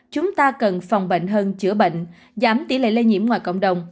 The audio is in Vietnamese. chúng ta cần phòng bệnh hơn chữa bệnh giảm tỷ lệ lây nhiễm ngoài cộng đồng